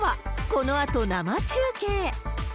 このあと生中継。